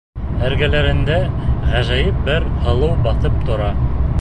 Эргәләрендә ғәжәйеп бер һылыу баҫып тора.